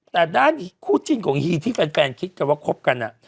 แต่ด้านคู่จิ้นของฮีที่แฟนคิดกันว่าคบกัน